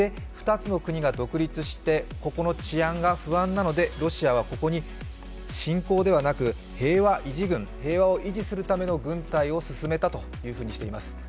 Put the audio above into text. ２つの国が独立して、ここの治安が不安なのでロシアはここに侵攻ではなく平和維持軍、平和を維持するための軍隊を進めたとしています。